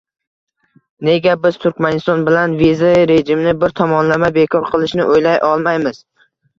Nega biz Turkmaniston bilan viza rejimini bir tomonlama bekor qilishni o'ylay olmaymiz?